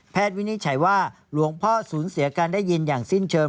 วินิจฉัยว่าหลวงพ่อสูญเสียการได้ยินอย่างสิ้นเชิง